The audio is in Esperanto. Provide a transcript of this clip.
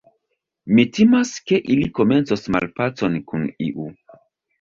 Mi timas, ke ili komencos malpacon kun iu.